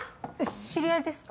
知り合いですか？